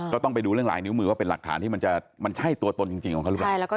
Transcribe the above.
ก็ต้องไปดูเรื่องหลายนิ้วมือว่าเป็นหลักฐานที่มันใช่ตัวตนจริงของเขาหรือเปล่า